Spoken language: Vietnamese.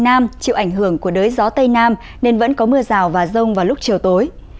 nam chịu ảnh hưởng của đới gió tây nam nên vẫn có mưa rào và rông vào lúc chiều tối